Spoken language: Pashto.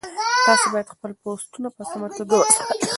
تاسي باید خپل پوسټونه په سمه توګه وڅارئ.